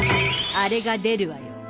あれが出るわよ。